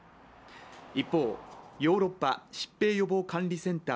一方、ヨーロッパ疾病予防管理センター